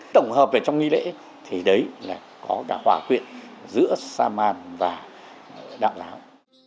tổng hợp về trong nghi lễ thì đấy là có cả hòa quyện giữa saman và đạo giáo